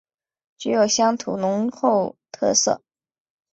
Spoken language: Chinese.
具有乡土浓厚特色